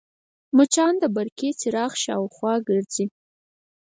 مچان د برقي څراغ شاوخوا ګرځي